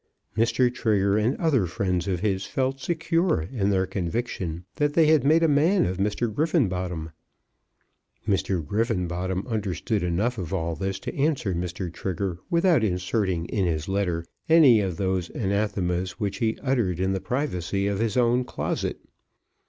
Mr. Trigger and other friends of his, felt secure in their conviction that they had made a man of Mr. Griffenbottom. Mr. Griffenbottom understood enough of all this to answer Mr. Trigger without inserting in his letter any of those anathemas which he uttered in the privacy of his own closet.